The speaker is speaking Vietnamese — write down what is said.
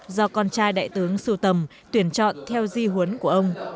do con trai đại tướng sưu tầm tuyển chọn theo di huấn của ông